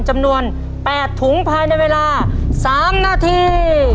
จำนวน๘ถุงภายในเวลา๓นาที